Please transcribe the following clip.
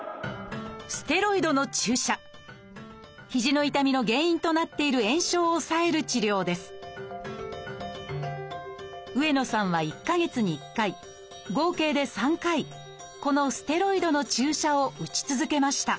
肘の痛みの原因となっている炎症を抑える治療です上野さんは１か月に１回合計で３回このステロイドの注射を打ち続けました